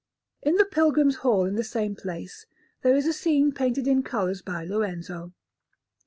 In the pilgrim's hall in the same place there is a scene painted in colours by Lorenzo.